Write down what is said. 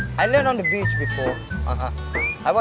saya belajar di pantai sebelumnya